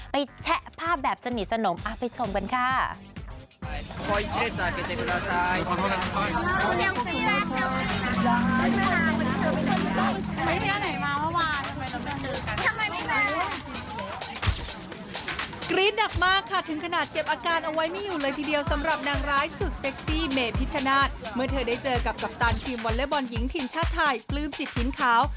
แชะภาพแบบสนิทสนมไปชมกันค่ะ